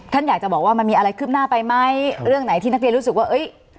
ท่านอยากจะบอกว่ามันมีอะไรคืบหน้าไปไหมเรื่องไหนที่นักเรียนรู้สึกว่าเอ้ย